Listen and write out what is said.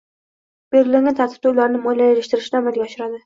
belgilangan tartibda ularni moliyalashtirishni amalga oshiradi;